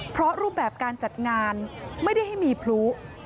เพราะรูปแบบการจัดงานไม่ได้ให้มีพลุ